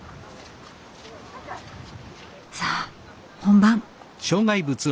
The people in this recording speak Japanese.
さあ本番。